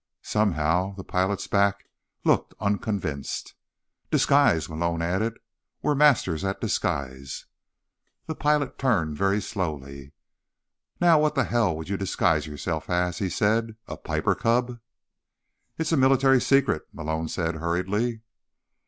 Somehow, the pilot's back looked unconvinced. "Disguise," Malone added. "We're masters of disguise." The pilot turned very slowly. "Now what the hell would you disguise yourself as?" he said. "A Piper Cub?" "It's a military secret," Malone said hurriedly.